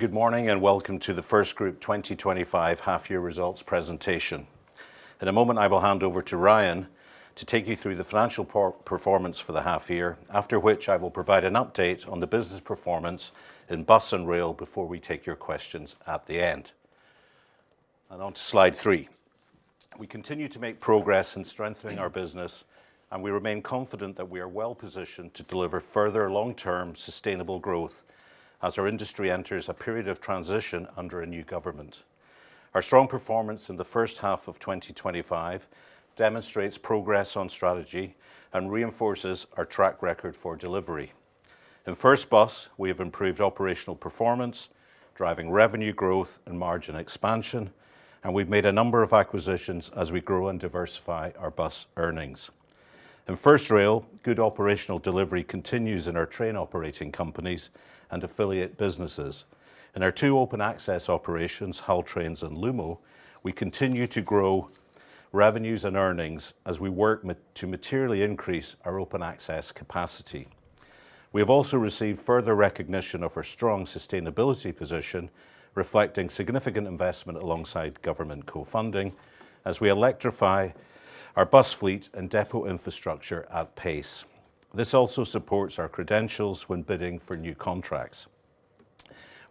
Good morning and welcome to the FirstGroup 2025 half-year results presentation. In a moment, I will hand over to Ryan to take you through the financial performance for the half-year, after which I will provide an update on the business performance in bus and rail before we take your questions at the end. And on to slide three. We continue to make progress in strengthening our business, and we remain confident that we are well positioned to deliver further long-term sustainable growth as our industry enters a period of transition under a new government. Our strong performance in the first half of 2025 demonstrates progress on strategy and reinforces our track record for delivery. In First Bus, we have improved operational performance, driving revenue growth and margin expansion, and we've made a number of acquisitions as we grow and diversify our bus earnings. In FirstRail, good operational delivery continues in our train operating companies and affiliate businesses. In our two open access operations, Hull Trains and Lumo, we continue to grow revenues and earnings as we work to materially increase our open access capacity. We have also received further recognition of our strong sustainability position, reflecting significant investment alongside government co-funding, as we electrify our bus fleet and depot infrastructure at pace. This also supports our credentials when bidding for new contracts.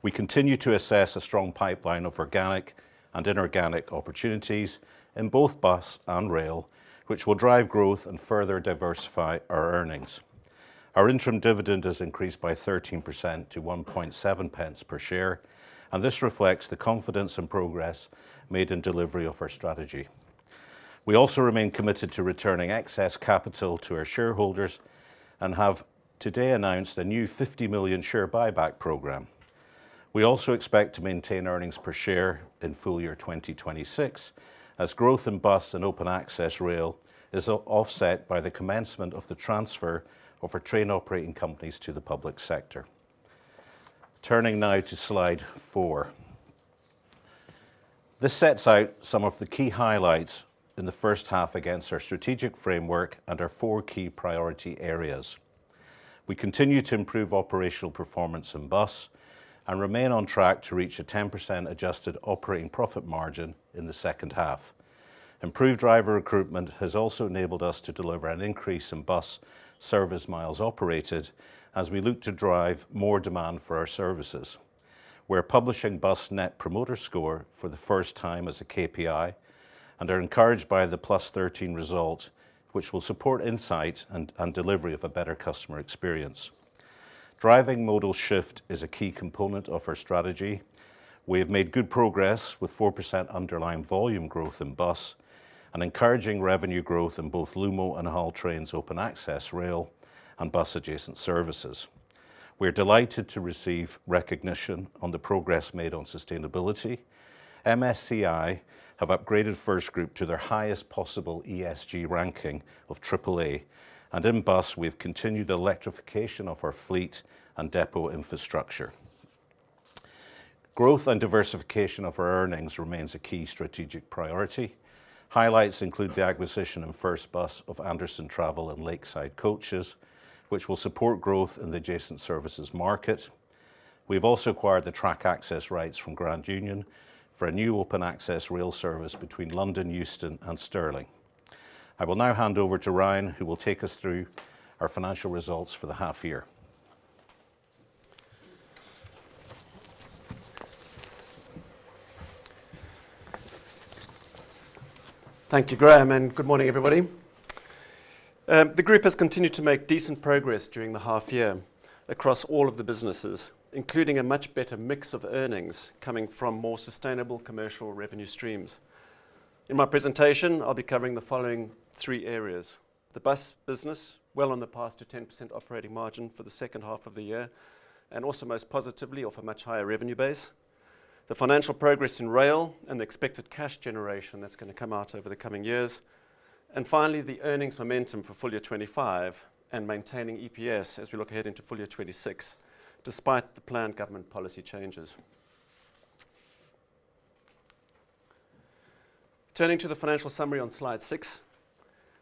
We continue to assess a strong pipeline of organic and inorganic opportunities in both bus and rail, which will drive growth and further diversify our earnings. Our interim dividend has increased by 13% to 0.017 per share, and this reflects the confidence and progress made in delivery of our strategy. We also remain committed to returning excess capital to our shareholders and have today announced a new 50 million share buyback program. We also expect to maintain earnings per share in full year 2026, as growth in bus and open access rail is offset by the commencement of the transfer of our train operating companies to the public sector. Turning now to slide four. This sets out some of the key highlights in the first half against our strategic framework and our four key priority areas. We continue to improve operational performance in bus and remain on track to reach a 10% adjusted operating profit margin in the second half. Improved driver recruitment has also enabled us to deliver an increase in bus service miles operated as we look to drive more demand for our services. We're publishing bus Net Promoter Score for the first time as a KPI and are encouraged by the +13 result, which will support insight and delivery of a better customer experience. Driving modal shift is a key component of our strategy. We have made good progress with 4% underlying volume growth in bus and encouraging revenue growth in both Lumo and Hull Trains open access rail and bus adjacent services. We're delighted to receive recognition on the progress made on sustainability. MSCI have upgraded FirstGroup to their highest possible ESG ranking of AAA, and in bus, we've continued electrification of our fleet and depot infrastructure. Growth and diversification of our earnings remains a key strategic priority. Highlights include the acquisition in FirstBus of Anderson Travel and Lakeside Coaches, which will support growth in the adjacent services market. We've also acquired the track access rights from Grand Union for a new open access rail service between London Euston, and Stirling. I will now hand over to Ryan, who will take us through our financial results for the half-year. Thank you, Graham, and good morning, everybody. The group has continued to make decent progress during the half-year across all of the businesses, including a much better mix of earnings coming from more sustainable commercial revenue streams. In my presentation, I'll be covering the following three areas: the bus business, well on the path to 10% operating margin for the second half of the year, and also most positively off a much higher revenue base. The financial progress in rail and the expected cash generation that's going to come out over the coming years, and finally, the earnings momentum for full year 2025 and maintaining EPS as we look ahead into full year 2026, despite the planned government policy changes. Turning to the financial summary on slide six,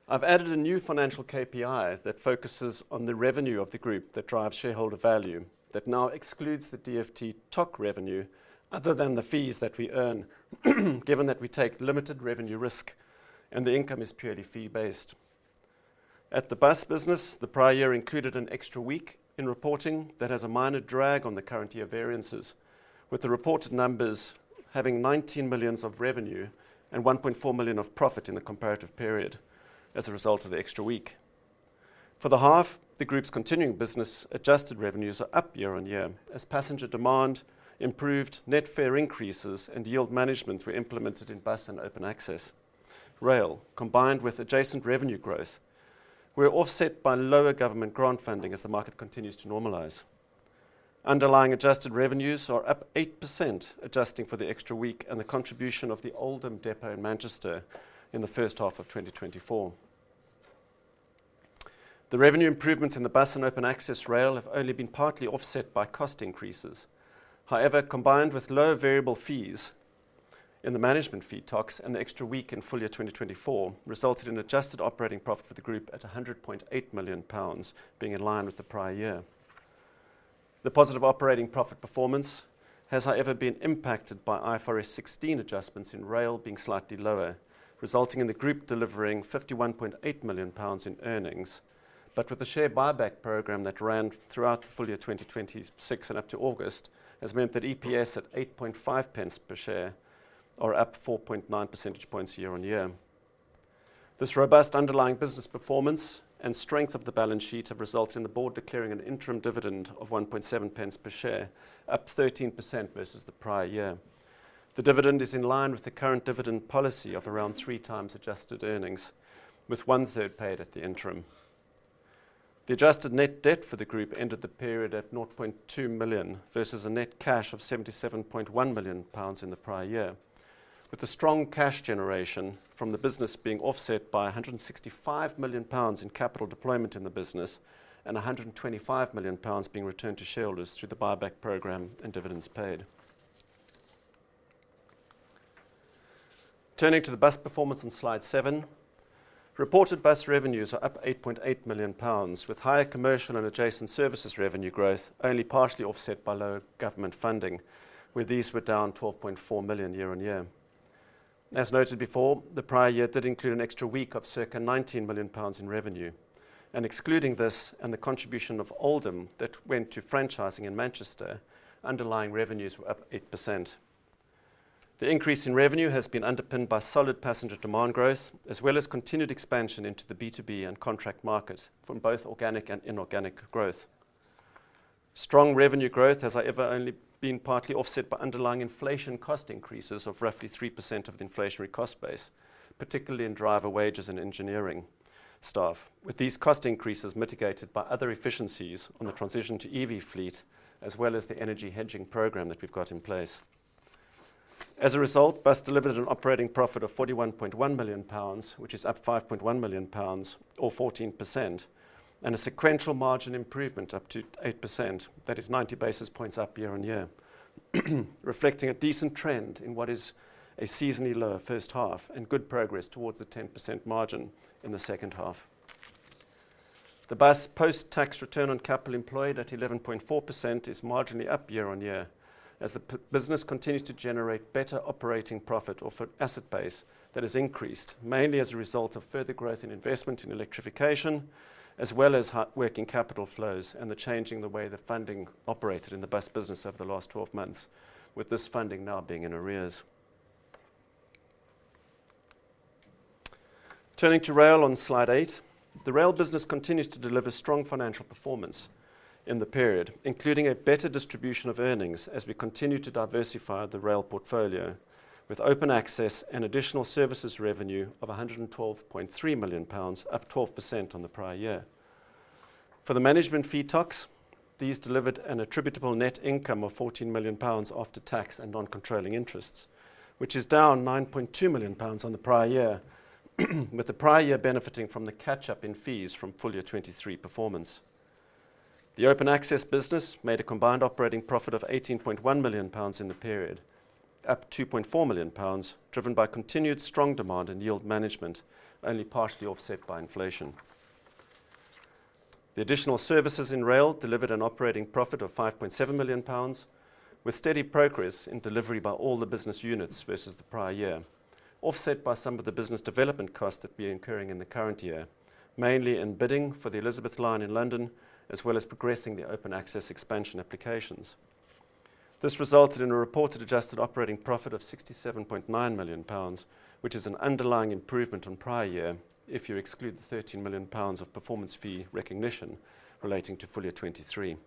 I've added a new financial KPI that focuses on the revenue of the group that drives shareholder value, that now excludes the DfT TOC revenue other than the fees that we earn, given that we take limited revenue risk and the income is purely fee-based. At the bus business, the prior year included an extra week in reporting that has a minor drag on the current year variances, with the reported numbers having 19 million of revenue and 1.4 million of profit in the comparative period as a result of the extra week. For the half, the group's continuing business adjusted revenues are up year on year as passenger demand improved, net fare increases, and yield management were implemented in bus and open access. Rail, combined with adjacent revenue growth, were offset by lower government grant funding as the market continues to normalize. Underlying adjusted revenues are up 8%, adjusting for the extra week and the contribution of the Oldham depot in Manchester in the first half of 2024. The revenue improvements in the bus and open access rail have only been partly offset by cost increases. However, combined with low variable fees in the management fee TOCs and the extra week in full year 2024, resulted in adjusted operating profit for the group at 100.8 million pounds, being in line with the prior year. The positive operating profit performance has, however, been impacted by IFRS 16 adjustments in rail being slightly lower, resulting in the group delivering 51.8 million pounds in earnings. But with the share buyback program that ran throughout full year 2026 and up to August, has meant that EPS at 8.5 pence per share are up 4.9 percentage points year-on-year. This robust underlying business performance and strength of the balance sheet have resulted in the board declaring an interim dividend of 1.7 pence per share, up 13% versus the prior year. The dividend is in line with the current dividend policy of around three times adjusted earnings, with one third paid at the interim. The adjusted net debt for the group ended the period at 0.2 million versus a net cash of 77.1 million pounds in the prior year, with the strong cash generation from the business being offset by 165 million pounds in capital deployment in the business and 125 million pounds being returned to shareholders through the buyback program and dividends paid. Turning to the bus performance on slide seven, reported bus revenues are up 8.8 million pounds, with higher commercial and adjacent services revenue growth only partially offset by low government funding, where these were down 12.4 million year on year. As noted before, the prior year did include an extra week of circa 19 million pounds in revenue. And excluding this and the contribution of Oldham that went to franchising in Manchester, underlying revenues were up 8%. The increase in revenue has been underpinned by solid passenger demand growth, as well as continued expansion into the B2B and contract market from both organic and inorganic growth. Strong revenue growth has, however, only been partly offset by underlying inflation cost increases of roughly 3% of the inflationary cost base, particularly in driver wages and engineering staff, with these cost increases mitigated by other efficiencies on the transition to EV fleet, as well as the energy hedging program that we've got in place. As a result, bus delivered an operating profit of 41.1 million pounds, which is up 5.1 million pounds, or 14%, and a sequential margin improvement up to 8%. That is 90 basis points up year-on-year, reflecting a decent trend in what is a seasonally lower first half and good progress towards the 10% margin in the second half. The bus post-tax return on capital employed at 11.4% is marginally up year on year as the business continues to generate better operating profit or asset base that has increased mainly as a result of further growth in investment in electrification, as well as working capital flows and the changing the way the funding operated in the bus business over the last 12 months, with this funding now being in arrears. Turning to rail on slide eight, the rail business continues to deliver strong financial performance in the period, including a better distribution of earnings as we continue to diversify the rail portfolio, with open access and additional services revenue of 112.3 million pounds, up 12% on the prior year. For the management fee TOCs, these delivered an attributable net income of 14 million pounds after tax and non-controlling interests, which is down 9.2 million pounds on the prior year, with the prior year benefiting from the catch-up in fees from full year 2023 performance. The open access business made a combined operating profit of 18.1 million pounds in the period, up 2.4 million pounds, driven by continued strong demand and yield management, only partially offset by inflation. The additional services in rail delivered an operating profit of 5.7 million pounds, with steady progress in delivery by all the business units versus the prior year, offset by some of the business development costs that we are incurring in the current year, mainly in bidding for the Elizabeth Line in London, as well as progressing the open access expansion applications. This resulted in a reported adjusted operating profit of 67.9 million pounds, which is an underlying improvement on prior year if you exclude the 13 million pounds of performance fee recognition relating to full year 2023.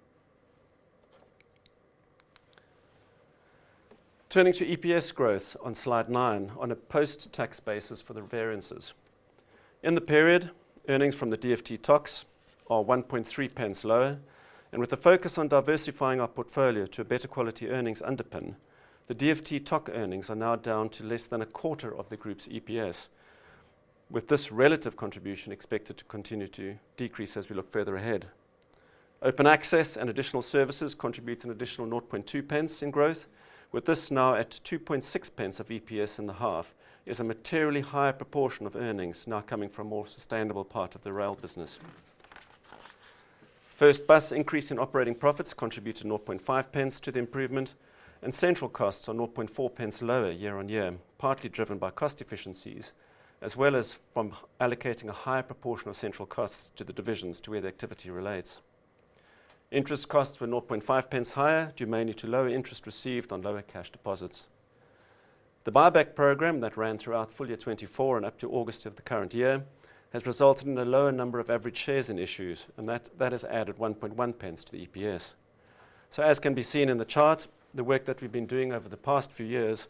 Turning to EPS growth on slide nine, on a post-tax basis for the variances. In the period, earnings from the DfT TOCs are 1.3 pence lower, and with the focus on diversifying our portfolio to a better quality earnings underpin, the DfT TOC earnings are now down to less than a quarter of the group's EPS, with this relative contribution expected to continue to decrease as we look further ahead. Open access and additional services contribute an additional 0.2 pence in growth, with this now at 2.6 pence of EPS in the half, is a materially higher proportion of earnings now coming from a more sustainable part of the rail business. FirstBus increase in operating profits contributed 0.005 to the improvement, and central costs are 0.004 lower year on year, partly driven by cost efficiencies, as well as from allocating a higher proportion of central costs to the divisions to where the activity relates. Interest costs were 0.005 higher due mainly to lower interest received on lower cash deposits. The buyback program that ran throughout full year 2024 and up to August of the current year has resulted in a lower number of average shares in issue, and that has added 0.011 to the EPS. So, as can be seen in the chart, the work that we've been doing over the past few years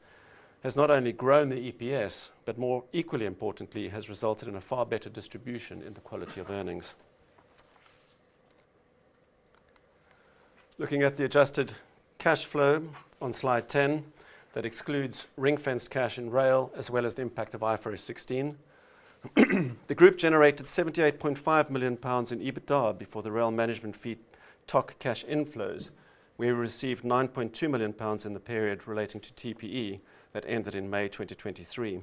has not only grown the EPS, but more equally importantly, has resulted in a far better distribution in the quality of earnings. Looking at the adjusted cash flow on slide 10 that excludes ring-fenced cash in rail, as well as the impact of IFRS 16, the group generated 78.5 million pounds in EBITDA before the rail management fee TOC cash inflows, where we received 9.2 million pounds in the period relating to TPE that ended in May 2023.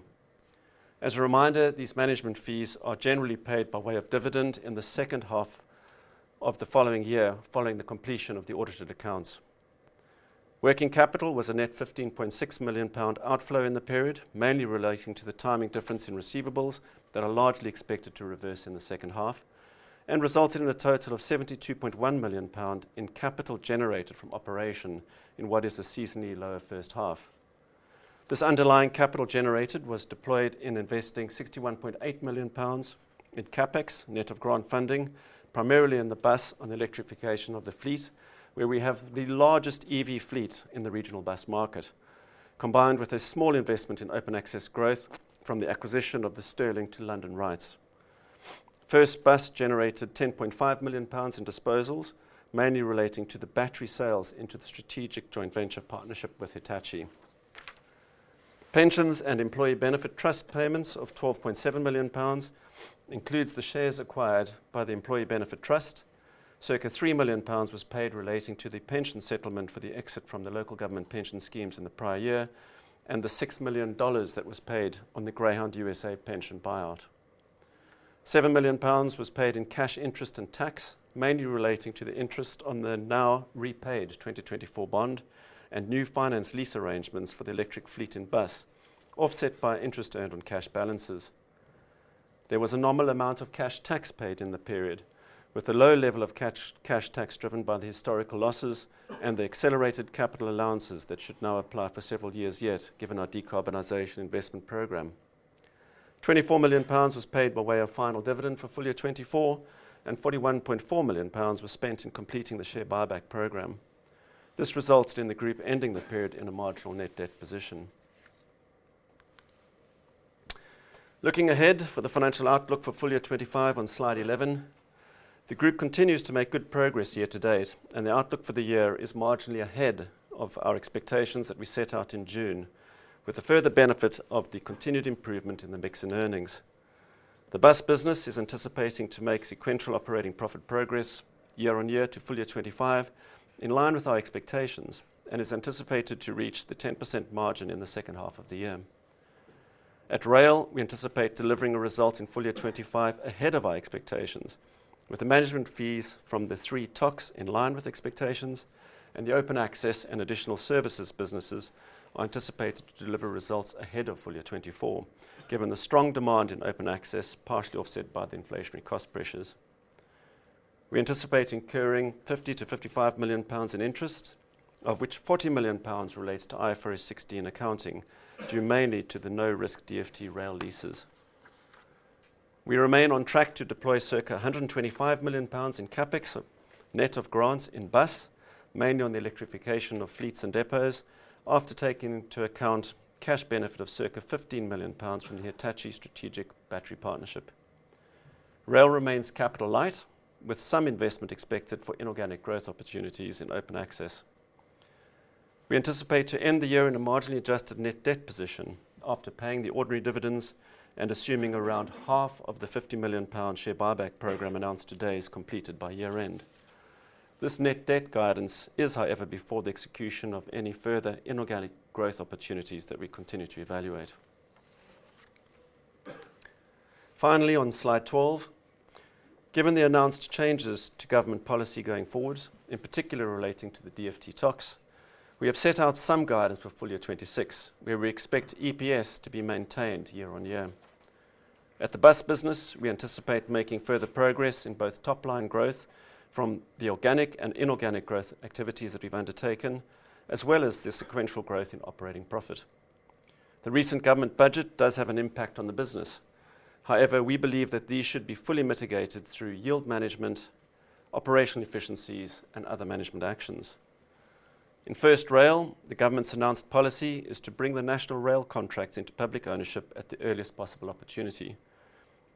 As a reminder, these management fees are generally paid by way of dividend in the second half of the following year following the completion of the audited accounts. Working capital was a net 15.6 million pound outflow in the period, mainly relating to the timing difference in receivables that are largely expected to reverse in the second half, and resulted in a total of 72.1 million pound in capital generated from operation in what is a seasonally lower first half. This underlying capital generated was deployed in investing 61.8 million pounds in CapEx, net of grant funding, primarily in the bus on the electrification of the fleet, where we have the largest EV fleet in the regional bus market, combined with a small investment in open access growth from the acquisition of the Stirling to London rights. FirstBus generated 10.5 million pounds in disposals, mainly relating to the battery sales into the strategic joint venture partnership with Hitachi. Pensions and employee benefit trust payments of 12.7 million pounds include the shares acquired by the employee benefit trust. Circa 3 million pounds was paid relating to the pension settlement for the exit from the local government pension schemes in the prior year and the $6 million that was paid on the Greyhound USA pension buyout. 7 million pounds was paid in cash, interest, and tax, mainly relating to the interest on the now repaid 2024 bond and new finance lease arrangements for the electric fleet in bus, offset by interest earned on cash balances. There was a normal amount of cash tax paid in the period, with a low level of cash tax driven by the historical losses and the accelerated capital allowances that should now apply for several years yet, given our decarbonization investment program. 24 million pounds was paid by way of final dividend for full year 2024, and 41.4 million pounds was spent in completing the share buyback program. This resulted in the group ending the period in a marginal net debt position. Looking ahead for the financial outlook for full year 25 on slide 11, the group continues to make good progress year to date, and the outlook for the year is marginally ahead of our expectations that we set out in June, with the further benefit of the continued improvement in the mix in earnings. The bus business is anticipating to make sequential operating profit progress year on year to full year 25 in line with our expectations and is anticipated to reach the 10% margin in the second half of the year. At rail, we anticipate delivering a result in full year 2025 ahead of our expectations, with the management fees from the three TOCs in line with expectations, and the open access and additional services businesses are anticipated to deliver results ahead of full year 2024, given the strong demand in open access, partially offset by the inflationary cost pressures. We anticipate incurring 50-55 million pounds in interest, of which 40 million pounds relates to IFRS 16 accounting due mainly to the no-risk DfT rail leases. We remain on track to deploy circa 125 million pounds in CapEx, net of grants in bus, mainly on the electrification of fleets and depots, after taking into account cash benefit of circa 15 million pounds from the Hitachi strategic battery partnership. Rail remains capital light, with some investment expected for inorganic growth opportunities in open access. We anticipate to end the year in a marginally adjusted net debt position after paying the ordinary dividends and assuming around half of the 50 million pound share buyback program announced today is completed by year end. This net debt guidance is, however, before the execution of any further inorganic growth opportunities that we continue to evaluate. Finally, on slide 12, given the announced changes to government policy going forward, in particular relating to the DfT TOCs, we have set out some guidance for full year 26, where we expect EPS to be maintained year on year. At the bus business, we anticipate making further progress in both top line growth from the organic and inorganic growth activities that we've undertaken, as well as the sequential growth in operating profit. The recent government budget does have an impact on the business. However, we believe that these should be fully mitigated through yield management, operational efficiencies, and other management actions. In FirstRail, the government's announced policy is to bring the National Rail Contracts into public ownership at the earliest possible opportunity.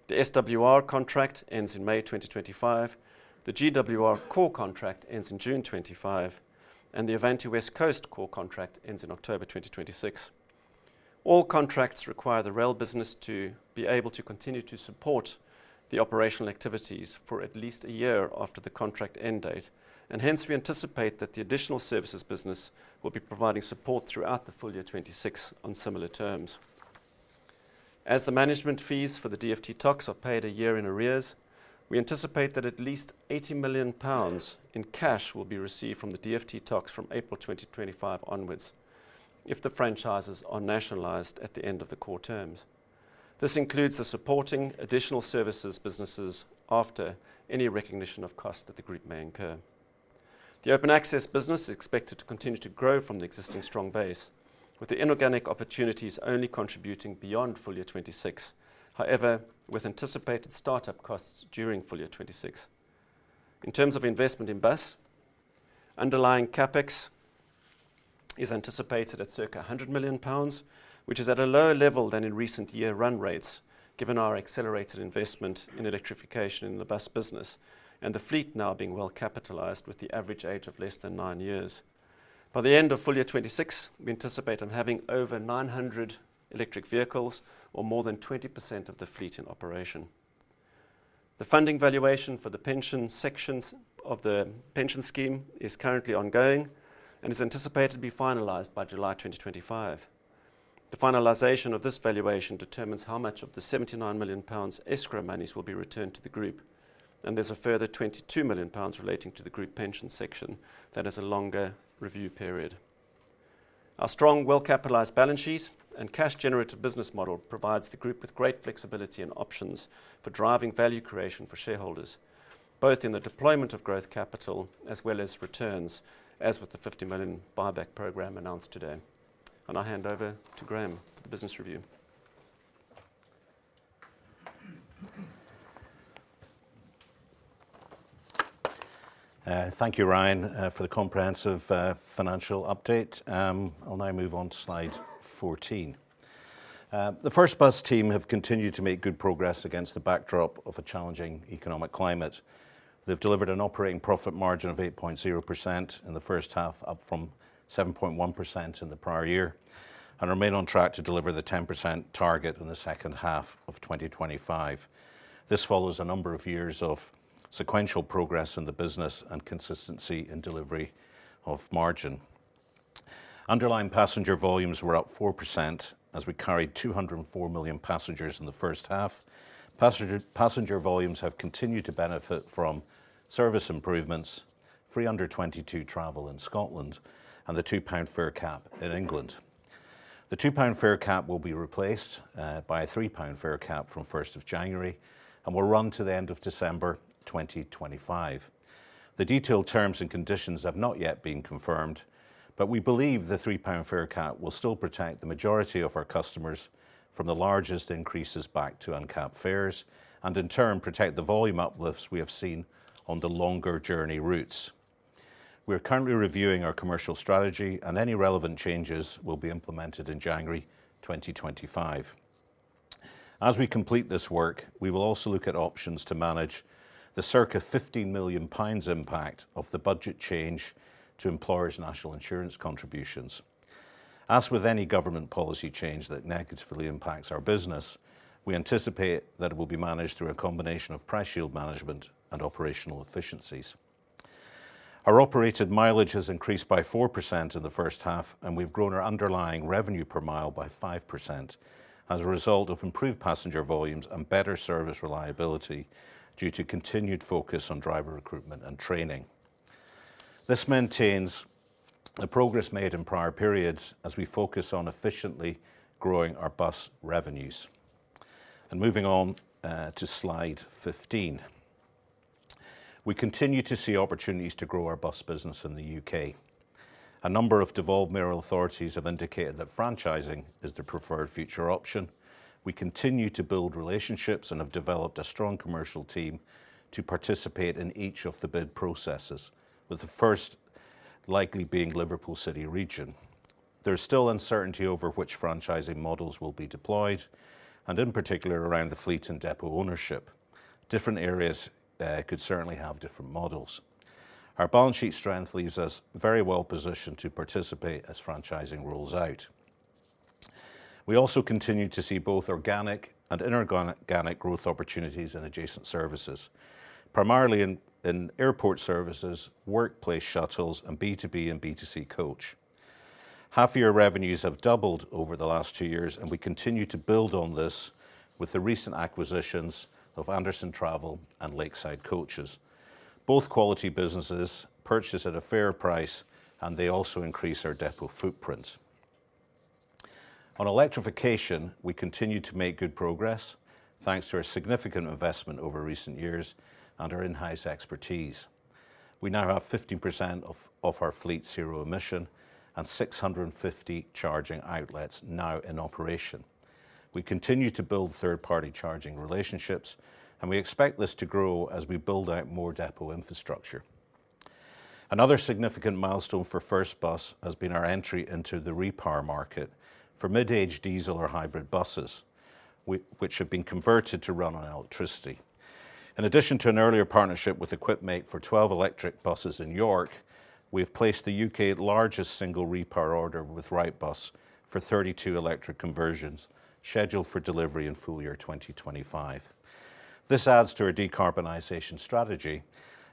The SWR contract ends in May 2025, the GWR core contract ends in June 2025, and the Avanti West Coast core contract ends in October 2026. All contracts require the rail business to be able to continue to support the operational activities for at least a year after the contract end date, and hence we anticipate that the additional services business will be providing support throughout the full year 2026 on similar terms. As the management fees for the DfT TOCs are paid a year in arrears, we anticipate that at least 80 million pounds in cash will be received from the DfT TOCs from April 2025 onwards if the franchises are nationalized at the end of the core terms. This includes the supporting additional services businesses after any recognition of costs that the group may incur. The open access business is expected to continue to grow from the existing strong base, with the inorganic opportunities only contributing beyond full year 26, however, with anticipated startup costs during full year 26. In terms of investment in bus, underlying CapEx is anticipated at circa 100 million pounds, which is at a lower level than in recent year run rates, given our accelerated investment in electrification in the bus business and the fleet now being well capitalized with the average age of less than nine years. By the end of full year 2026, we anticipate on having over 900 electric vehicles or more than 20% of the fleet in operation. The funding valuation for the pension sections of the pension scheme is currently ongoing and is anticipated to be finalized by July 2025. The finalization of this valuation determines how much of the 79 million pounds escrow monies will be returned to the group, and there's a further 22 million pounds relating to the group pension section that has a longer review period. Our strong, well-capitalized balance sheet and cash-generative business model provides the group with great flexibility and options for driving value creation for shareholders, both in the deployment of growth capital as well as returns, as with the 50 million buyback program announced today, and I hand over to Graham for the business review. Thank you, Ryan, for the comprehensive financial update. I'll now move on to slide 14. The FirstBus team have continued to make good progress against the backdrop of a challenging economic climate. They've delivered an operating profit margin of 8.0% in the first half, up from 7.1% in the prior year, and remain on track to deliver the 10% target in the second half of 2025. This follows a number of years of sequential progress in the business and consistency in delivery of margin. Underlying passenger volumes were up 4% as we carried 204 million passengers in the first half. Passenger volumes have continued to benefit from service improvements, under-22 travel in Scotland, and the £2 fare cap in England. The £2 fare cap will be replaced by a £3 fare cap from 1 January, and will run to the end of December 2025. The detailed terms and conditions have not yet been confirmed, but we believe the £3 fare cap will still protect the majority of our customers from the largest increases back to uncapped fares, and in turn, protect the volume uplifts we have seen on the longer journey routes. We're currently reviewing our commercial strategy, and any relevant changes will be implemented in January 2025. As we complete this work, we will also look at options to manage the circa 15 million pounds impact of the budget change to employers' National Insurance contributions. As with any government policy change that negatively impacts our business, we anticipate that it will be managed through a combination of price yield management and operational efficiencies. Our operated mileage has increased by 4% in the first half, and we've grown our underlying revenue per mile by 5% as a result of improved passenger volumes and better service reliability due to continued focus on driver recruitment and training. This maintains the progress made in prior periods as we focus on efficiently growing our bus revenues. And moving on to slide 15, we continue to see opportunities to grow our bus business in the U.K. A number of devolved mayoral authorities have indicated that franchising is the preferred future option. We continue to build relationships and have developed a strong commercial team to participate in each of the bid processes, with the first likely being Liverpool City Region. There's still uncertainty over which franchising models will be deployed, and in particular around the fleet and depot ownership. Different areas could certainly have different models. Our balance sheet strength leaves us very well positioned to participate as franchising rolls out. We also continue to see both organic and inorganic growth opportunities in adjacent services, primarily in airport services, workplace shuttles, and B2B and B2C coach. Half-year revenues have doubled over the last two years, and we continue to build on this with the recent acquisitions of Anderson Travel and Lakeside Coaches. Both quality businesses purchase at a fair price, and they also increase our depot footprint. On electrification, we continue to make good progress thanks to our significant investment over recent years and our in-house expertise. We now have 15% of our fleet zero emission and 650 charging outlets now in operation. We continue to build third-party charging relationships, and we expect this to grow as we build out more depot infrastructure. Another significant milestone for FirstBus has been our entry into the repower market for mid-age diesel or hybrid buses, which have been converted to run on electricity. In addition to an earlier partnership with Equipmake for 12 electric buses in York, we've placed the UK's largest single repower order with Wrightbus for 32 electric conversions scheduled for delivery in full year 2025. This adds to our decarbonization strategy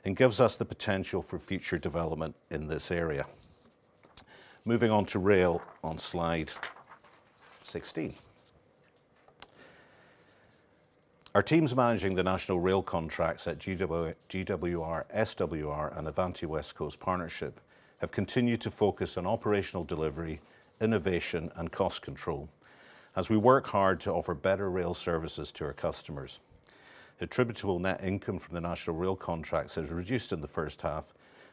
and gives us the potential for future development in this area. Moving on to rail on slide 16, our teams managing the national rail contracts at GWR, SWR, and Avanti West Coast Partnership have continued to focus on operational delivery, innovation, and cost control as we work hard to offer better rail services to our customers. Attributable net income from the national rail contracts has reduced in the first half,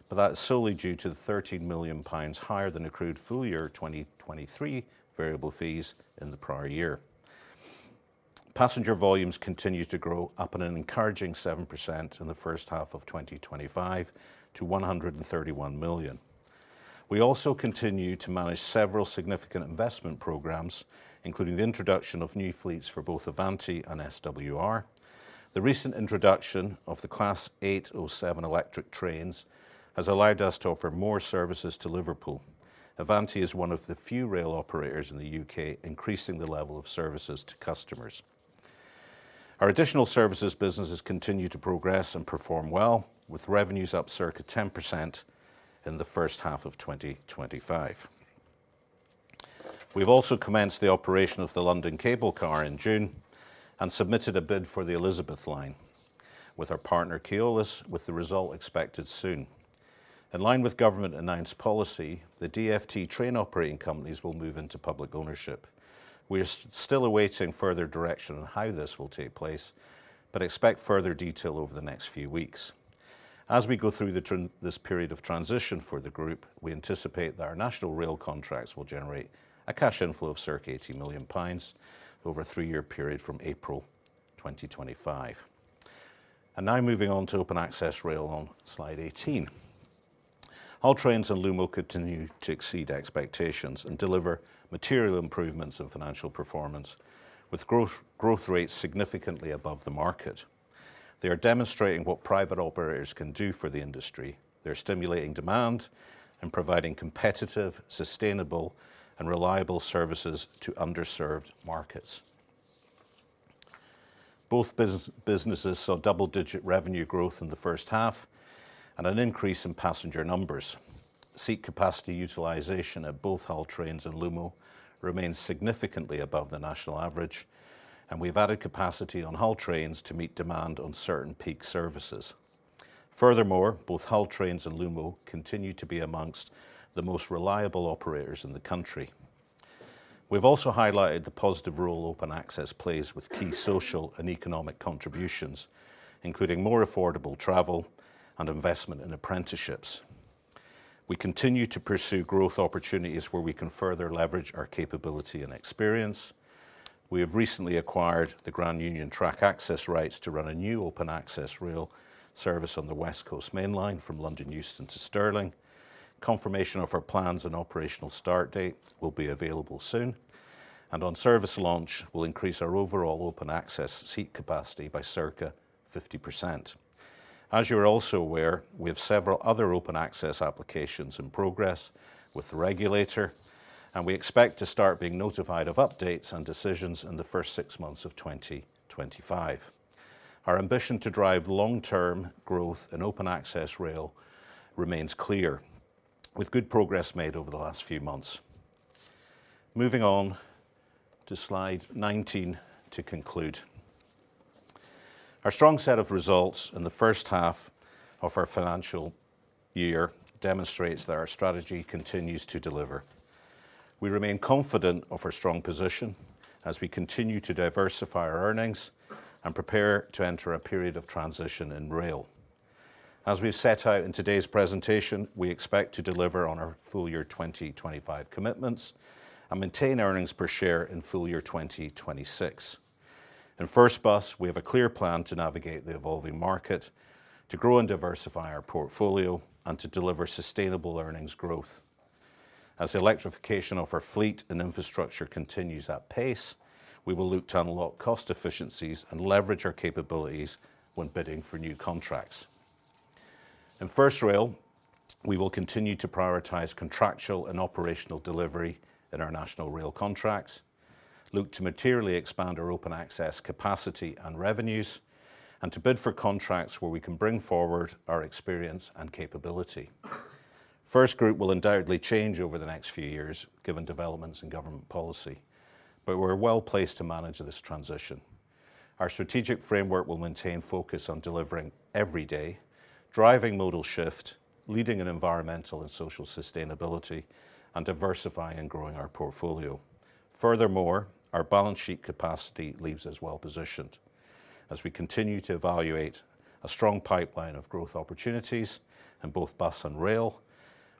but that's solely due to the GBP 13 million higher than accrued full year 2023 variable fees in the prior year. Passenger volumes continue to grow up an encouraging 7% in the first half of 2025 to 131 million. We also continue to manage several significant investment programs, including the introduction of new fleets for both Avanti and SWR. The recent introduction of the Class 807 electric trains has allowed us to offer more services to Liverpool. Avanti is one of the few rail operators in the UK increasing the level of services to customers. Our additional services business has continued to progress and perform well, with revenues up circa 10% in the first half of 2025. We've also commenced the operation of the London Cable Car in June and submitted a bid for the Elizabeth Line with our partner Keolis, with the result expected soon. In line with government-announced policy, the DfT train operating companies will move into public ownership. We're still awaiting further direction on how this will take place, but expect further detail over the next few weeks. As we go through this period of transition for the group, we anticipate that our national rail contracts will generate a cash inflow of circa 80 million pounds over a three-year period from April 2025. Now moving on to open access rail on slide 18, all trains in Lumo continue to exceed expectations and deliver material improvements in financial performance, with growth rates significantly above the market. They are demonstrating what private operators can do for the industry. They're stimulating demand and providing competitive, sustainable, and reliable services to underserved markets. Both businesses saw double-digit revenue growth in the first half and an increase in passenger numbers. Seat capacity utilization at both Hull Trains and Lumo remains significantly above the national average, and we've added capacity on Hull Trains to meet demand on certain peak services. Furthermore, both Hull Trains and Lumo continue to be among the most reliable operators in the country. We've also highlighted the positive role open access plays with key social and economic contributions, including more affordable travel and investment in apprenticeships. We continue to pursue growth opportunities where we can further leverage our capability and experience. We have recently acquired the Grand Union Trains track access rights to run a new open access rail service on the West Coast Main Line from London Euston to Stirling. Confirmation of our plans and operational start date will be available soon, and on service launch, we'll increase our overall open access seat capacity by circa 50%. As you are also aware, we have several other open access applications in progress with the regulator, and we expect to start being notified of updates and decisions in the first six months of 2025. Our ambition to drive long-term growth in open access rail remains clear, with good progress made over the last few months. Moving on to slide 19 to conclude, our strong set of results in the first half of our financial year demonstrates that our strategy continues to deliver. We remain confident of our strong position as we continue to diversify our earnings and prepare to enter a period of transition in rail. As we've set out in today's presentation, we expect to deliver on our full year 2025 commitments and maintain earnings per share in full year 2026. In FirstBus, we have a clear plan to navigate the evolving market, to grow and diversify our portfolio, and to deliver sustainable earnings growth. As the electrification of our fleet and infrastructure continues at pace, we will look to unlock cost efficiencies and leverage our capabilities when bidding for new contracts. In FirstRail, we will continue to prioritize contractual and operational delivery in our national rail contracts, look to materially expand our open access capacity and revenues, and to bid for contracts where we can bring forward our experience and capability. FirstGroup will undoubtedly change over the next few years given developments in government policy, but we're well placed to manage this transition. Our strategic framework will maintain focus on delivering every day, driving modal shift, leading in environmental and social sustainability, and diversifying and growing our portfolio. Furthermore, our balance sheet capacity leaves us well positioned as we continue to evaluate a strong pipeline of growth opportunities in both bus and rail.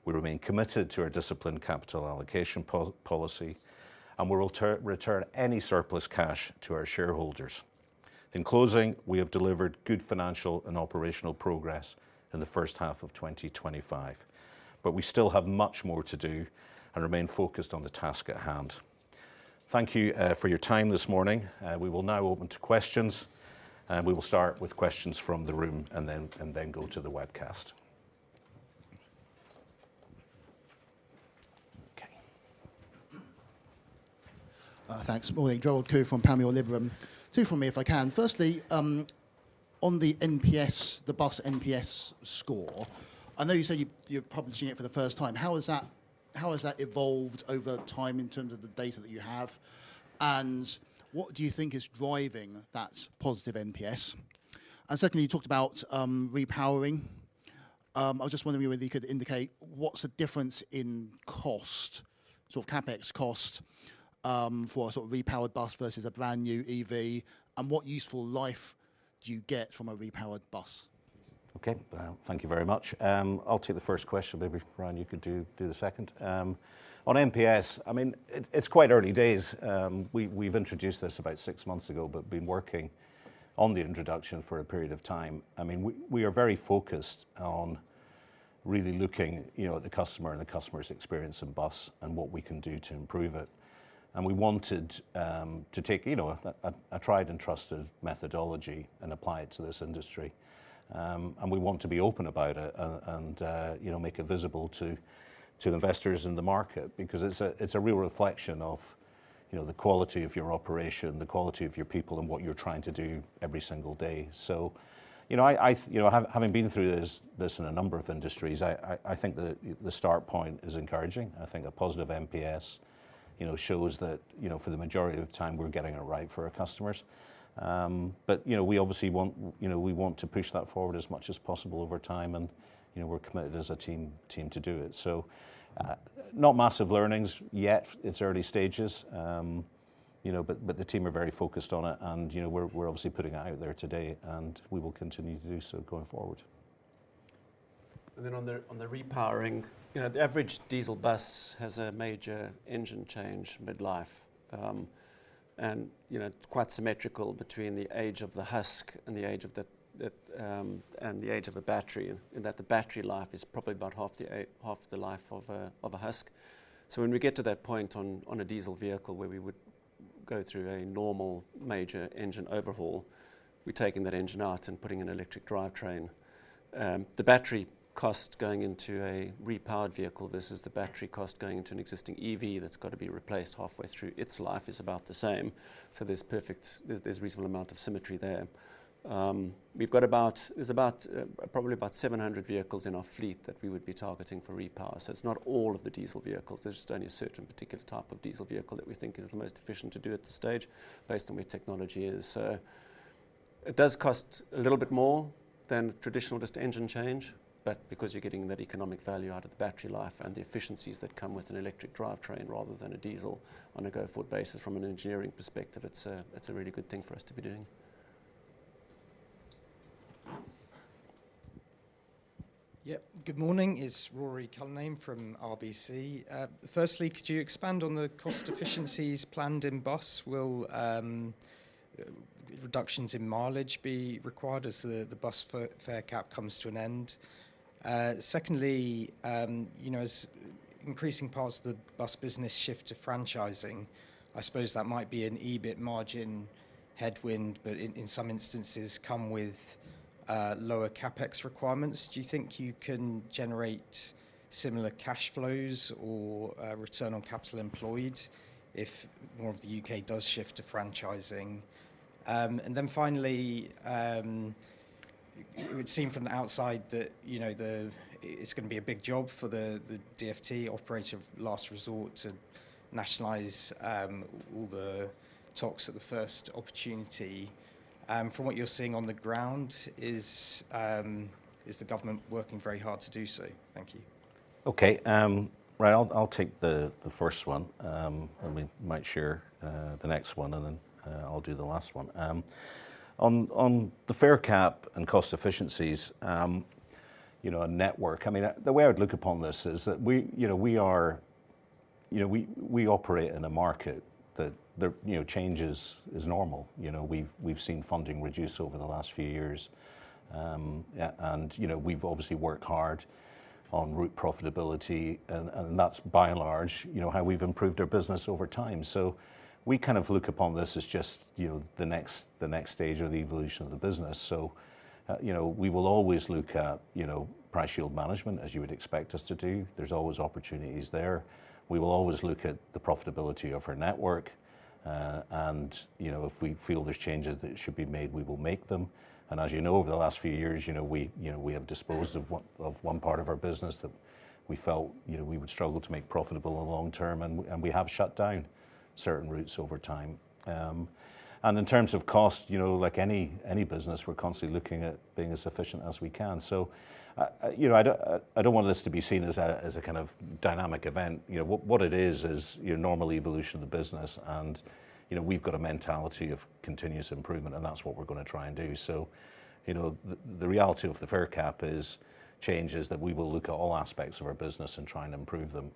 We remain committed to our disciplined capital allocation policy, and we'll return any surplus cash to our shareholders. In closing, we have delivered good financial and operational progress in the first half of 2025, but we still have much more to do and remain focused on the task at hand. Thank you for your time this morning. We will now open to questions, and we will start with questions from the room and then go to the webcast. Okay. Thanks, Merrick. Gerald Khoo from Panmure Liberum. Two from me, if I can. Firstly, on the NPS, the bus NPS score, I know you said you're publishing it for the first time. How has that evolved over time in terms of the data that you have? And what do you think is driving that positive NPS? And secondly, you talked about repowering. I was just wondering whether you could indicate what's the difference in cost, sort of CapEx cost for a sort of repowered bus versus a brand new EV, and what useful life do you get from a repowered bus? Okay, thank you very much. I'll take the first question. Maybe Ryan, you could do the second. On NPS, I mean, it's quite early days. We've introduced this about six months ago, but we've been working on the introduction for a period of time. I mean, we are very focused on really looking at the customer and the customer's experience in bus and what we can do to improve it, and we wanted to take a tried and trusted methodology and apply it to this industry. And we want to be open about it and make it visible to investors in the market because it's a real reflection of the quality of your operation, the quality of your people, and what you're trying to do every single day. So having been through this in a number of industries, I think the start point is encouraging. I think a positive NPS shows that for the majority of the time, we're getting it right for our customers. But we obviously want to push that forward as much as possible over time, and we're committed as a team to do it. So not massive learnings yet. It's early stages, but the team are very focused on it, and we're obviously putting it out there today, and we will continue to do so going forward. And then on the repowering, the average diesel bus has a major engine change mid-life, and it's quite symmetrical between the age of the husk and the age of the battery in that the battery life is probably about half the life of a husk. So when we get to that point on a diesel vehicle where we would go through a normal major engine overhaul, we're taking that engine out and putting in an electric drivetrain. The battery cost going into a repowered vehicle versus the battery cost going into an existing EV that's got to be replaced halfway through its life is about the same. So there's a reasonable amount of symmetry there. There's probably about 700 vehicles in our fleet that we would be targeting for repower. So it's not all of the diesel vehicles. There's just only a certain particular type of diesel vehicle that we think is the most efficient to do at this stage based on where technology is. So it does cost a little bit more than traditional just engine change, but because you're getting that economic value out of the battery life and the efficiencies that come with an electric drivetrain rather than a diesel on a go forward basis from an engineering perspective, it's a really good thing for us to be doing. Yep. Good morning. It's Ruairi Cullinane from RBC. Firstly, could you expand on the cost efficiencies planned in bus? Will reductions in mileage be required as the bus fare cap comes to an end? Secondly, as increasing parts of the bus business shift to franchising, I suppose that might be an EBIT margin headwind, but in some instances come with lower CapEx requirements. Do you think you can generate similar cash flows or return on capital employed if more of the UK does shift to franchising? And then finally, it would seem from the outside that it's going to be a big job for the DfT Operator of Last Resort to nationalize all the TOCs at the first opportunity. From what you're seeing on the ground, is the government working very hard to do so? Thank you. Okay. Right. I'll take the first one, and we might share the next one, and then I'll do the last one. On the fare cap and cost efficiencies, a network, I mean, the way I would look upon this is that we operate in a market that changes is normal. We've seen funding reduce over the last few years, and we've obviously worked hard on route profitability, and that's by and large how we've improved our business over time. So we kind of look upon this as just the next stage of the evolution of the business. So we will always look at price yield management, as you would expect us to do. There's always opportunities there. We will always look at the profitability of our network, and if we feel there's changes that should be made, we will make them. And as you know, over the last few years, we have disposed of one part of our business that we felt we would struggle to make profitable in the long term, and we have shut down certain routes over time. And in terms of cost, like any business, we're constantly looking at being as efficient as we can. I don't want this to be seen as a kind of dynamic event. What it is, is normal evolution of the business, and we've got a mentality of continuous improvement, and that's what we're going to try and do. The reality of the fare cap is changes that we will look at all aspects of our business and try and improve them.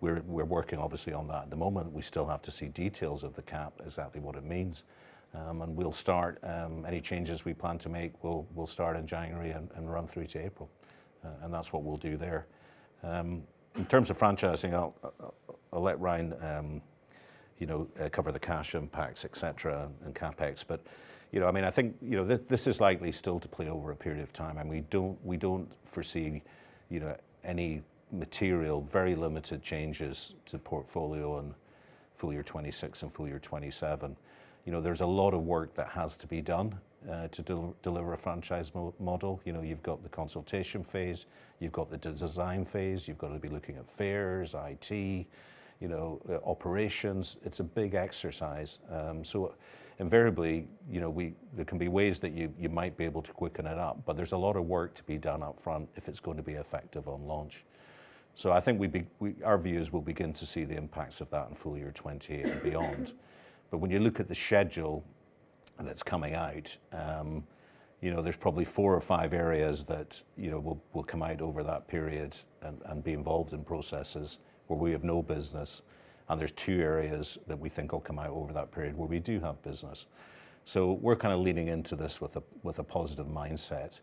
We're working, obviously, on that at the moment. We still have to see details of the cap, exactly what it means. We'll start any changes we plan to make, we'll start in January and run through to April, and that's what we'll do there. In terms of franchising, I'll let Ryan cover the cash impacts, etc., and CapEx. But I mean, I think this is likely still to play over a period of time, and we don't foresee any material, very limited changes to portfolio in full year 2026 and full year 2027. There's a lot of work that has to be done to deliver a franchise model. You've got the consultation phase, you've got the design phase, you've got to be looking at fares, IT, operations. It's a big exercise. So invariably, there can be ways that you might be able to quicken it up, but there's a lot of work to be done upfront if it's going to be effective on launch. So I think our views will begin to see the impacts of that in full year 2028 and beyond. But when you look at the schedule that's coming out, there's probably four or five areas that will come out over that period and be involved in processes where we have no business, and there's two areas that we think will come out over that period where we do have business. So we're kind of leading into this with a positive mindset.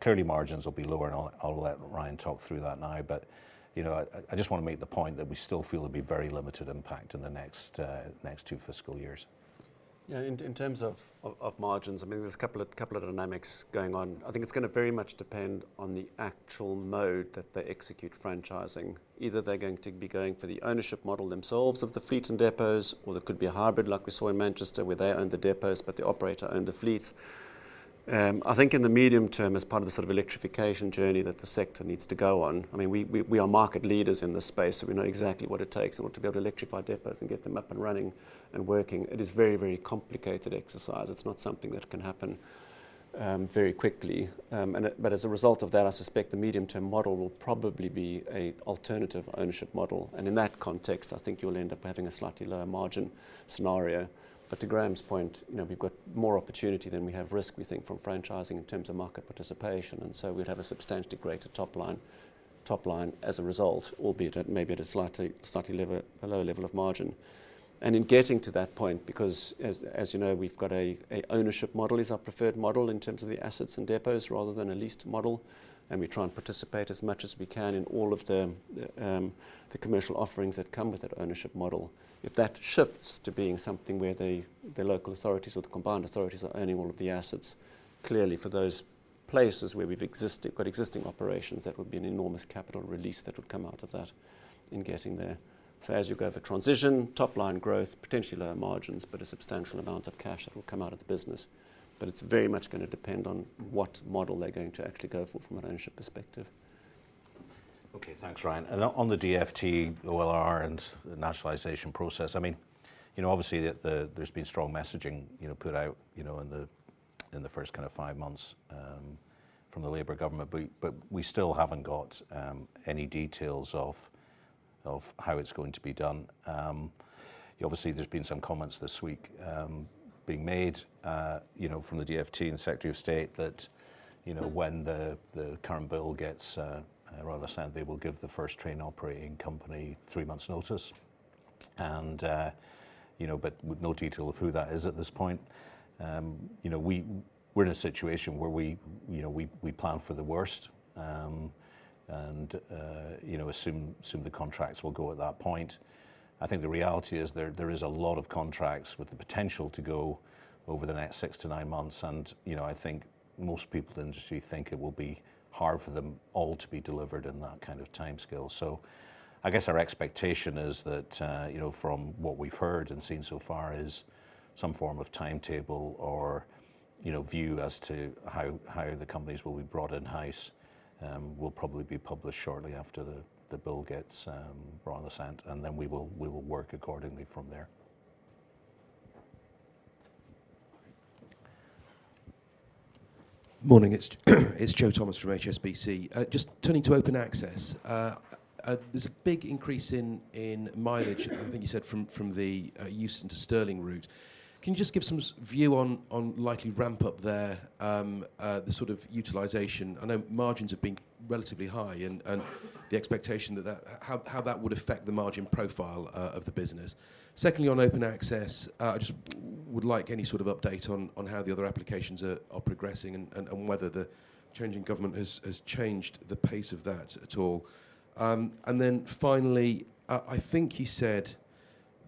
Clearly, margins will be lower, and I'll let Ryan talk through that now, but I just want to make the point that we still feel there'll be very limited impact in the next two fiscal years. Yeah. In terms of margins, I mean, there's a couple of dynamics going on. I think it's going to very much depend on the actual mode that they execute franchising. Either they're going to be going for the ownership model themselves of the fleet and depots, or there could be a hybrid like we saw in Manchester where they own the depots, but the operator owned the fleet. I think in the medium term, as part of the sort of electrification journey that the sector needs to go on, I mean, we are market leaders in this space, so we know exactly what it takes in order to be able to electrify depots and get them up and running and working. It is a very, very complicated exercise. It's not something that can happen very quickly. But as a result of that, I suspect the medium-term model will probably be an alternative ownership model. And in that context, I think you'll end up having a slightly lower margin scenario. But to Graham's point, we've got more opportunity than we have risk, we think, from franchising in terms of market participation. And so we'd have a substantially greater top line as a result, albeit maybe at a slightly lower level of margin. And in getting to that point, because as you know, we've got an ownership model as our preferred model in terms of the assets and depots rather than a leased model, and we try and participate as much as we can in all of the commercial offerings that come with that ownership model. If that shifts to being something where the local authorities or the combined authorities are owning all of the assets, clearly for those places where we've got existing operations, that would be an enormous capital release that would come out of that in getting there. So as you go over transition, top line growth, potentially lower margins, but a substantial amount of cash that will come out of the business. But it's very much going to depend on what model they're going to actually go for from an ownership perspective. Okay. Thanks, Ryan. And on the DfT, OLR, and the nationalization process, I mean, obviously, there's been strong messaging put out in the first kind of five months from the Labour government, but we still haven't got any details of how it's going to be done. Obviously, there's been some comments this week being made from the DfT and Secretary of State that when the current bill gets royal assent, they will give the first train operating company three months' notice, but with no detail of who that is at this point. We're in a situation where we plan for the worst and assume the contracts will go at that point. I think the reality is there is a lot of contracts with the potential to go over the next six to nine months, and I think most people in the industry think it will be hard for them all to be delivered in that kind of timescale. So I guess our expectation is that from what we've heard and seen so far is some form of timetable or view as to how the companies will be brought in-house will probably be published shortly after the bill gets brought on the sent, and then we will work accordingly from there. Morning. It's Joe Thomas from HSBC. Just turning to open access. There's a big increase in mileage, I think you said, from the Euston to Stirling route. Can you just give some view on likely ramp-up there, the sort of utilization? I know margins have been relatively high and the expectation that how that would affect the margin profile of the business. Secondly, on open access, I just would like any sort of update on how the other applications are progressing and whether the changing government has changed the pace of that at all. And then finally, I think you said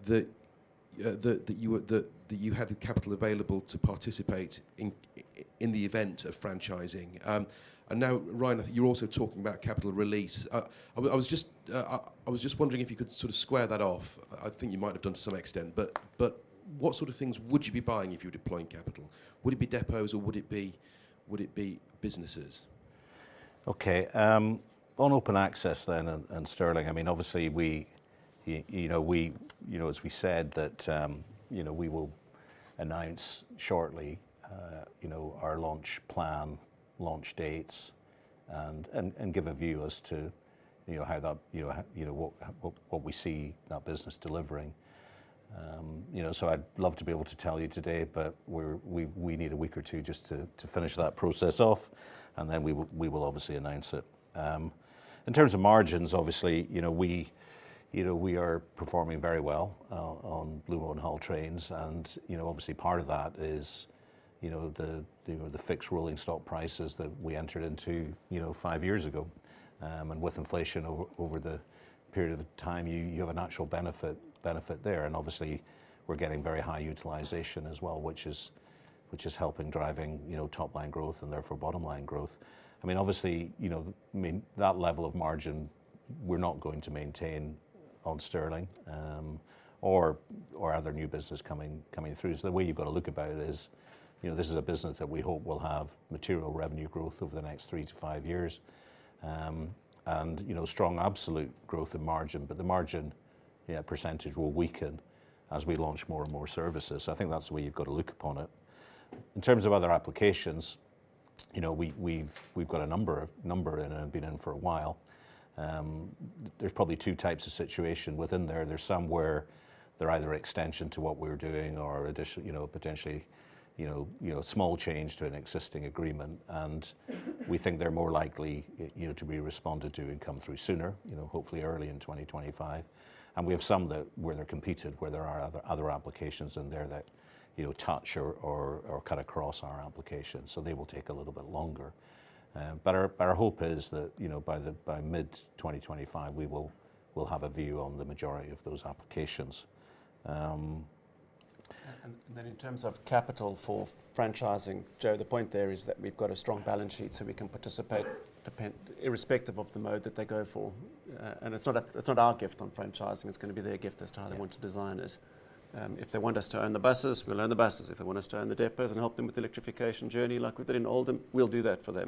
that you had capital available to participate in the event of franchising. And now, Ryan, I think you're also talking about capital release. I was just wondering if you could sort of square that off. I think you might have done to some extent, but what sort of things would you be buying if you were deploying capital? Would it be depots, or would it be businesses? Okay. On open access then and Stirling, I mean, obviously, as we said, that we will announce shortly our launch plan, launch dates, and give a view as to how that what we see that business delivering. I'd love to be able to tell you today, but we need a week or two just to finish that process off, and then we will obviously announce it. In terms of margins, obviously, we are performing very well on Lumo and Hull Trains, and obviously, part of that is the fixed rolling stock prices that we entered into five years ago. With inflation over the period of time, you have a natural benefit there. Obviously, we're getting very high utilization as well, which is helping driving top line growth and therefore bottom line growth. I mean, obviously, that level of margin, we're not going to maintain on Stirling or other new business coming through. So the way you've got to look about it is this is a business that we hope will have material revenue growth over the next three to five years and strong absolute growth in margin, but the margin percentage will weaken as we launch more and more services. So I think that's the way you've got to look upon it. In terms of other applications, we've got a number in and have been in for a while. There's probably two types of situation within there. There's some where they're either extension to what we're doing or potentially small change to an existing agreement, and we think they're more likely to be responded to and come through sooner, hopefully early in 2025. We have some where they're competed, where there are other applications in there that touch or cut across our application, so they will take a little bit longer. Our hope is that by mid-2025, we will have a view on the majority of those applications. Then in terms of capital for franchising, Joe, the point there is that we've got a strong balance sheet so we can participate irrespective of the mode that they go for. It's not our gift on franchising. It's going to be their gift as to how they want to design it. If they want us to own the buses, we'll own the buses. If they want us to own the depots and help them with the electrification journey like we did in Oldham, we'll do that for them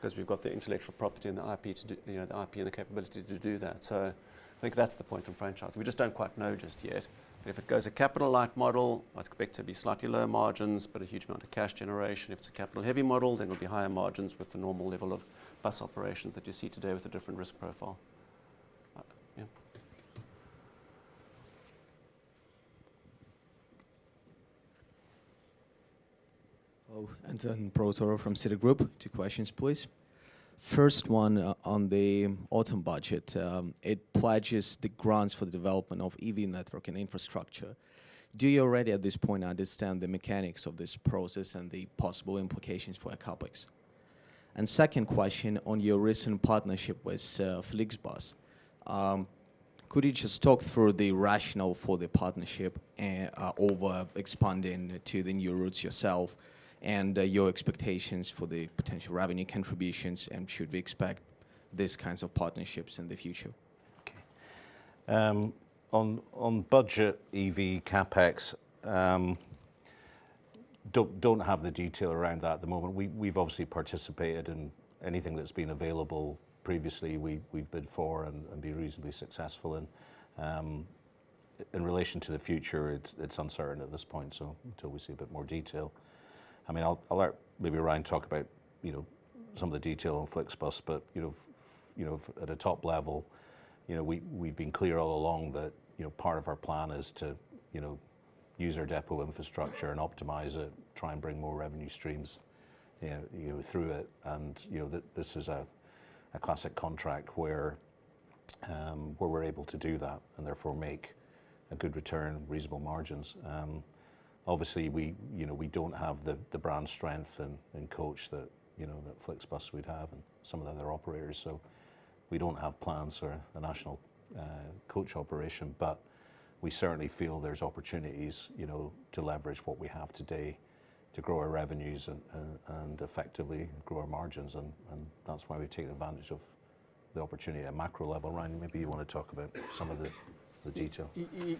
because we've got the intellectual property and the IP and the capability to do that. So I think that's the point on franchising. We just don't quite know just yet. But if it goes a capital-light model, I expect there'll be slightly lower margins, but a huge amount of cash generation. If it's a capital-heavy model, then it'll be higher margins with the normal level of bus operations that you see today with a different risk profile. Yeah. Hello. Anton Proutorov from Citigroup. Two questions, please. First one, on the Autumn Budget, it pledges the grants for the development of EV network and infrastructure. Do you already at this point understand the mechanics of this process and the possible implications for a CapEx? Second question, on your recent partnership with FlixBus, could you just talk through the rationale for the partnership over expanding to the new routes yourself and your expectations for the potential revenue contributions? And should we expect these kinds of partnerships in the future? Okay. On budget EV CapEx, don't have the detail around that at the moment. We've obviously participated in anything that's been available previously. We've bid for and been reasonably successful in. In relation to the future, it's uncertain at this point, so until we see a bit more detail. I mean, I'll let maybe Ryan talk about some of the detail on FlixBus, but at a top level, we've been clear all along that part of our plan is to use our depot infrastructure and optimize it, try and bring more revenue streams through it. And this is a classic contract where we're able to do that and therefore make a good return, reasonable margins. Obviously, we don't have the brand strength and coach that FlixBus would have and some of the other operators, so we don't have plans for a national coach operation. But we certainly feel there's opportunities to leverage what we have today to grow our revenues and effectively grow our margins, and that's why we've taken advantage of the opportunity at a macro level. Ryan, maybe you want to talk about some of the detail.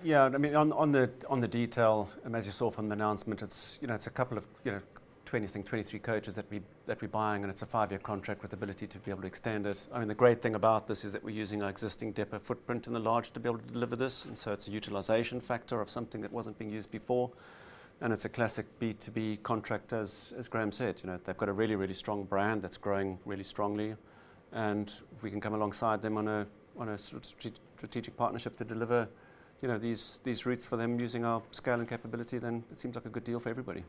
Yeah. I mean, on the detail, and as you saw from the announcement, it's a couple of 20, I think 23 coaches that we're buying, and it's a five-year contract with the ability to be able to extend it. I mean, the great thing about this is that we're using our existing depot footprint in the large to be able to deliver this, and so it's a utilization factor of something that wasn't being used before. And it's a classic B2B contract, as Graham said. They've got a really, really strong brand that's growing really strongly, and if we can come alongside them on a strategic partnership to deliver these routes for them using our scale and capability, then it seems like a good deal for everybody.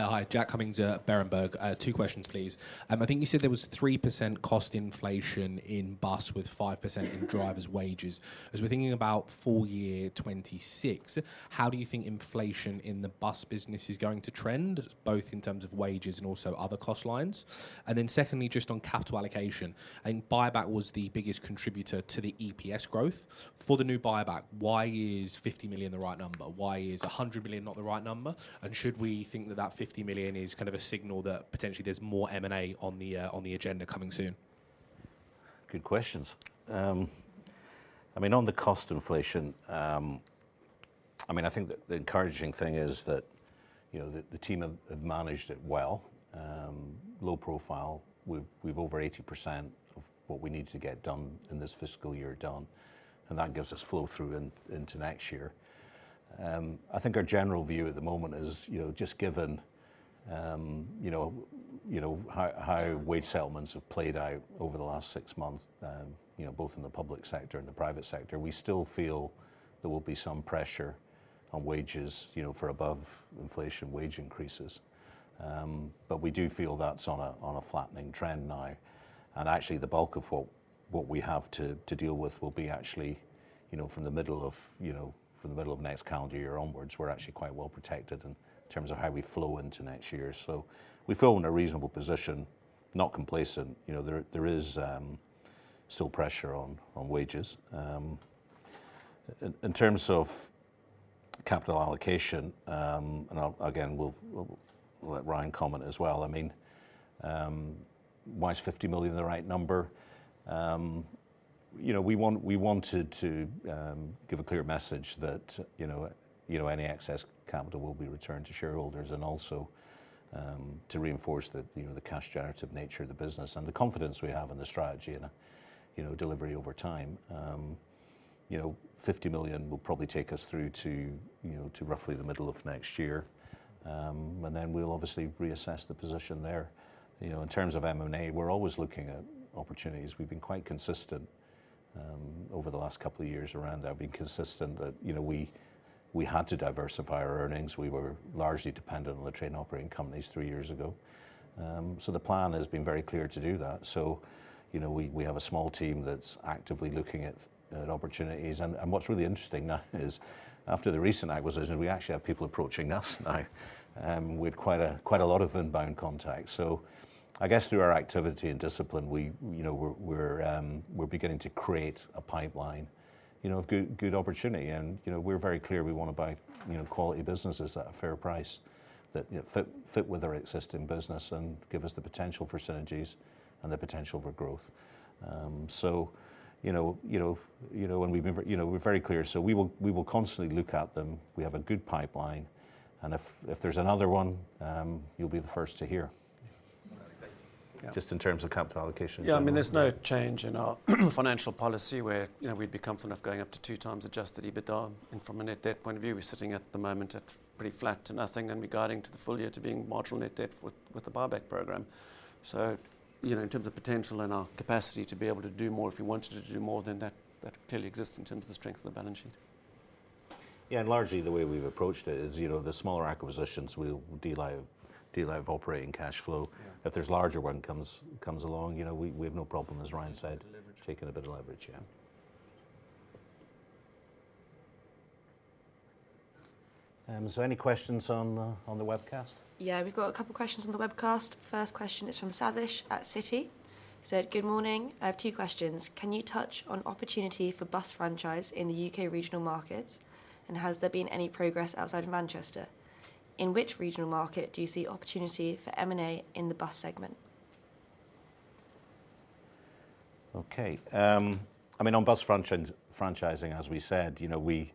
Hi. Jack Cummings at Berenberg. Two questions, please. I think you said there was 3% cost inflation in bus with 5% in drivers' wages. As we're thinking about full year 2026, how do you think inflation in the bus business is going to trend, both in terms of wages and also other cost lines? And then secondly, just on capital allocation, I think buyback was the biggest contributor to the EPS growth. For the new buyback, why is 50 million the right number? Why is 100 million not the right number? And should we think that that 50 million is kind of a signal that potentially there's more M&A on the agenda coming soon? Good questions. I mean, on the cost inflation, I mean, I think the encouraging thing is that the team have managed it well, low profile. We've over 80% of what we need to get done in this fiscal year done, and that gives us flow through into next year. I think our general view at the moment is just given how wage settlements have played out over the last six months, both in the public sector and the private sector, we still feel there will be some pressure on wages for above inflation wage increases. But we do feel that's on a flattening trend now. And actually, the bulk of what we have to deal with will be actually from the middle of next calendar year onwards. We're actually quite well protected in terms of how we flow into next year. So we feel in a reasonable position, not complacent. There is still pressure on wages. In terms of capital allocation, and again, we'll let Ryan comment as well. I mean, why is 50 million the right number? We wanted to give a clear message that any excess capital will be returned to shareholders and also to reinforce the cash-generative nature of the business and the confidence we have in the strategy and delivery over time. 50 million will probably take us through to roughly the middle of next year, and then we'll obviously reassess the position there. In terms of M&A, we're always looking at opportunities. We've been quite consistent over the last couple of years around that. We've been consistent that we had to diversify our earnings. We were largely dependent on the train operating companies three years ago. So the plan has been very clear to do that. So we have a small team that's actively looking at opportunities. And what's really interesting now is after the recent acquisition, we actually have people approaching us now with quite a lot of inbound contacts. So I guess through our activity and discipline, we're beginning to create a pipeline of good opportunity. And we're very clear we want to buy quality businesses at a fair price that fit with our existing business and give us the potential for synergies and the potential for growth. So when we've been very clear, so we will constantly look at them. We have a good pipeline, and if there's another one, you'll be the first to hear. Just in terms of capital allocation. Yeah. I mean, there's no change in our financial policy where we'd be confident of going up to two times adjusted EBITDA. And from a net debt point of view, we're sitting at the moment at pretty flat to nothing and regarding the full year to being modest net debt with the buyback program. So in terms of potential and our capacity to be able to do more, if we wanted to do more, then that clearly exists in terms of the strength of the balance sheet. Yeah. And largely, the way we've approached it is the smaller acquisitions, we'll deleverage operating cash flow. If there's a larger one comes along, we have no problem, as Ryan said, taking a bit of leverage. Yeah. So any questions on the webcast? Yeah. We've got a couple of questions on the webcast. First question is from Sathish at Citigroup. He said, "Good morning. I have two questions. Can you touch on opportunity for bus franchise in the U.K. regional markets, and has there been any progress outside of Manchester? In which regional market do you see opportunity for M&A in the bus segment?" Okay. I mean, on bus franchising, as we said, we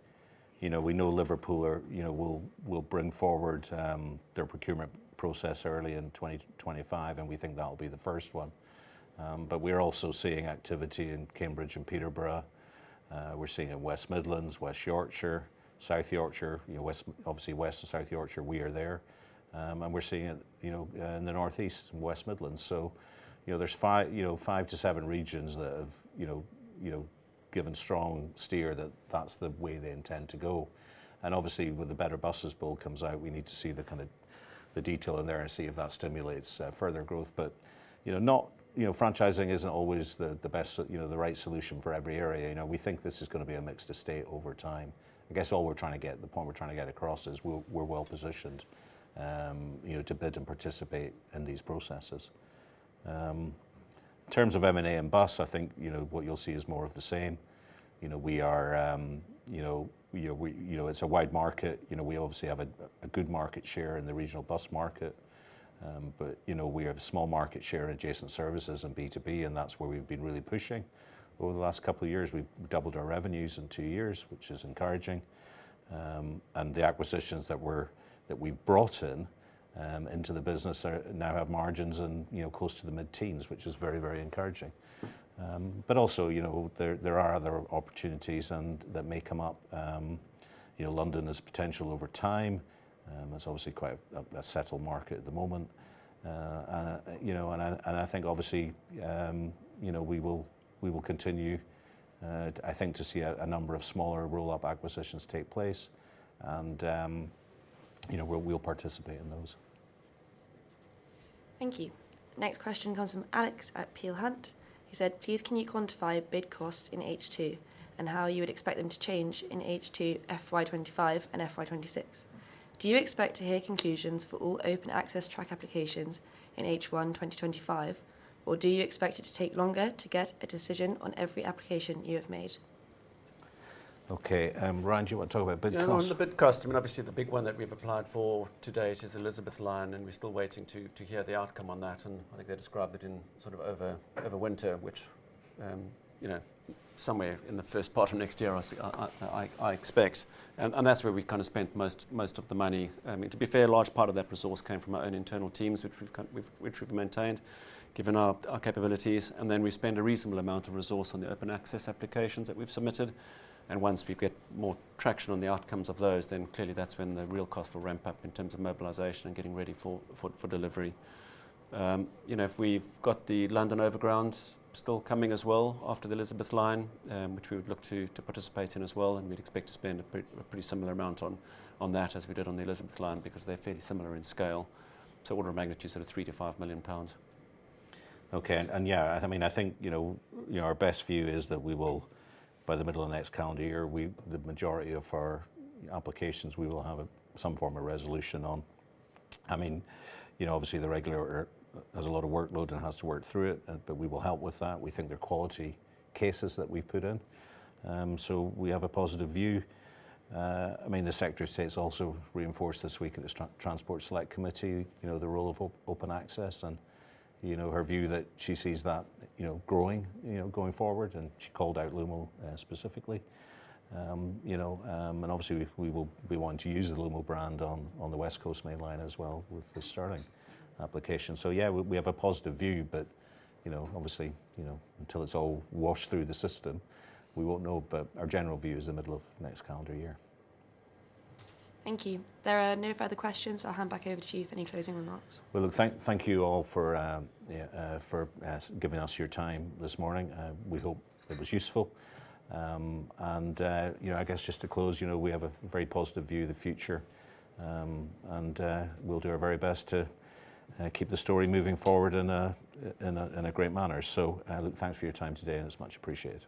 know Liverpool will bring forward their procurement process early in 2025, and we think that'll be the first one. But we're also seeing activity in Cambridge and Peterborough. We're seeing it in West Midlands, West Yorkshire, South Yorkshire. Obviously, West and South Yorkshire, we are there. And we're seeing it in the North East and West Midlands. So there's five to seven regions that have given strong steer that that's the way they intend to go. And obviously, when the Better Buses Bill comes out, we need to see the detail in there and see if that stimulates further growth. But franchising isn't always the right solution for every area. We think this is going to be a mixed estate over time. I guess all we're trying to get, the point we're trying to get across, is we're well positioned to bid and participate in these processes. In terms of M&A and bus, I think what you'll see is more of the same. We have a wide market. We obviously have a good market share in the regional bus market, but we have a small market share in adjacent services and B2B, and that's where we've been really pushing. Over the last couple of years, we've doubled our revenues in two years, which is encouraging. And the acquisitions that we've brought into the business now have margins close to the mid-teens, which is very, very encouraging. But also, there are other opportunities that may come up. London has potential over time. It's obviously quite a settled market at the moment. I think, obviously, we will continue, I think, to see a number of smaller roll-up acquisitions take place, and we'll participate in those. Thank you. Next question comes from Alex at Peel Hunt. He said, "Please, can you quantify bid costs in H2 and how you would expect them to change in H2 FY25 and FY26? Do you expect to hear conclusions for all open access track applications in H1 2025, or do you expect it to take longer to get a decision on every application you have made?" Okay. Ryan, do you want to talk about bid costs? Yeah. On the bid cost, I mean, obviously, the big one that we've applied for to date is Elizabeth Line, and we're still waiting to hear the outcome on that. I think they described it in sort of over winter, which somewhere in the first part of next year, I expect. That's where we kind of spent most of the money. I mean, to be fair, a large part of that resource came from our own internal teams, which we've maintained given our capabilities. We spend a reasonable amount of resource on the open access applications that we've submitted. Once we get more traction on the outcomes of those, then clearly that's when the real cost will ramp up in terms of mobilization and getting ready for delivery. If we've got the London Overground still coming as well after the Elizabeth Line, which we would look to participate in as well, and we'd expect to spend a pretty similar amount on that as we did on the Elizabeth Line because they're fairly similar in scale. So, order of magnitude, sort of 3-5 million pounds. Okay. And yeah, I mean, I think our best view is that by the middle of next calendar year, the majority of our applications, we will have some form of resolution on. I mean, obviously, the regulator has a lot of workload and has to work through it, but we will help with that. We think they're quality cases that we've put in. So we have a positive view. I mean, the Secretary of State's also reinforced this week at the Transport Select Committee the role of open access and her view that she sees that growing going forward, and she called out Lumo specifically. And obviously, we want to use the Lumo brand on the West Coast Main Line as well with the Stirling application. So yeah, we have a positive view, but obviously, until it's all washed through the system, we won't know, but our general view is the middle of next calendar year. Thank you. There are no further questions, so I'll hand back over to you for any closing remarks. Well, look, thank you all for giving us your time this morning. We hope it was useful. And I guess just to close, we have a very positive view of the future, and we'll do our very best to keep the story moving forward in a great manner. So thanks for your time today, and it's much appreciated.